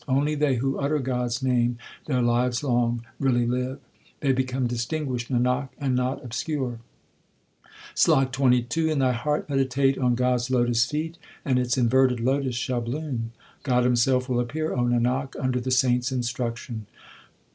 Only they who utter God s name their lives long really live ; They become distinguished, Nanak, and not obscure. SLOK XXII In thy heart meditate on God s lotus feet, and its inverted lotus shall bloom. God Himself will appear, O Nanak, under the saints instruction.